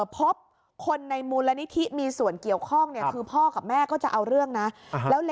พบคนในมูลนิธิมีส่วนเกี่ยวข้องคือพ่อกับแม่ก็จะเอาเรื่องนะ